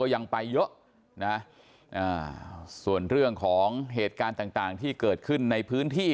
ยังไปเยอะนะส่วนเรื่องของเหตุการณ์ต่างที่เกิดขึ้นในพื้นที่